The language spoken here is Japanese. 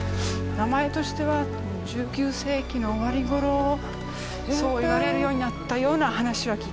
名前としては１９世紀の終わりごろそういわれるようになったような話は聞いてますね。